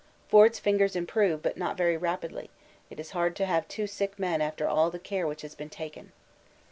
Forde's fingers improve, but not very rapidly; it is hard to have two sick men after all the care which has been taken.